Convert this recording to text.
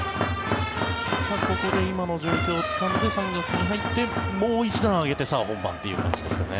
ここで今の状況をつかんで３月に入ってもう１段上げてさあ本番という感じですかね。